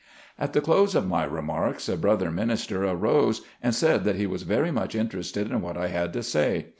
At the close of my remarks a brother minister arose, and said that he was very much interested in what I had to say.